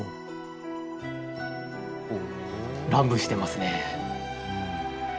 乱舞してますね。